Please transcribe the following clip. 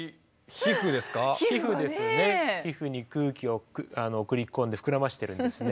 皮膚に空気を送り込んで膨らましてるんですね。